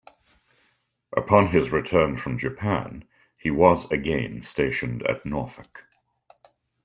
Upon his return from Japan, he was again stationed at Norfolk.